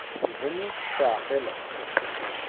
Iban ur tt-teɛqileḍ.